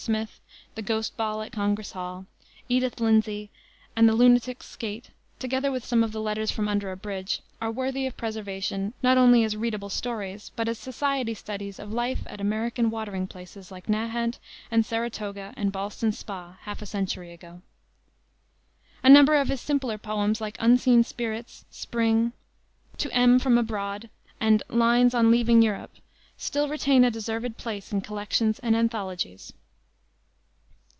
Smith_, The Ghost Ball at Congress Hall, Edith Linsey, and the Lunatic's Skate, together with some of the Letters from Under a Bridge, are worthy of preservation, not only as readable stories, but as society studies of life at American watering places like Nahant and Saratoga and Ballston Spa half a century ago. A number of his simpler poems, like Unseen Spirits, Spring, To M from Abroad, and Lines on Leaving Europe, still retain a deserved place in collections and anthologies.